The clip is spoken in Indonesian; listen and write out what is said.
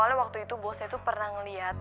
soalnya waktu itu bosnya itu pernah melihat